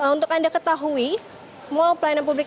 untuk anda ketahui mall pelayanan publik